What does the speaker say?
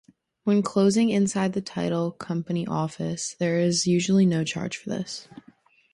When closing inside the title company office, there is usually no charge for this.